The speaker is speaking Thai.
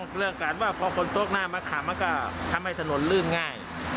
เรื่องการว่าพอคนโต๊ะหน้ามะขามมันก็ทำให้ถนนลื่นง่าย